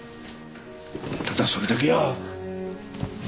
ただそれだけや。